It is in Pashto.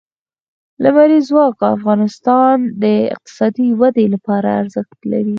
لمریز ځواک د افغانستان د اقتصادي ودې لپاره ارزښت لري.